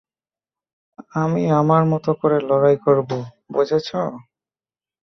আমি আমার মতো করে লড়াই করব, বুঝেছ?